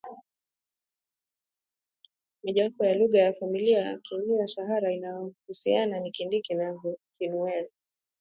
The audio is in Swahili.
mojawapo ya lugha za familia za Kinilo Sahara inayohusiana na Kidinka na Kinuer